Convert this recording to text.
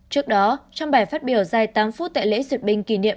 trước đó trong bài phát biểu dài tám phút tại lễ duyệt binh kỷ niệm